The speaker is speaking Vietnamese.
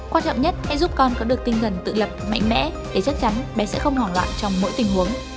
quan trọng nhất sẽ giúp con có được tinh thần tự lập mạnh mẽ để chắc chắn bé sẽ không hoảng loạn trong mỗi tình huống